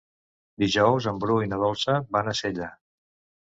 Dijous en Bru i na Dolça van a Sella.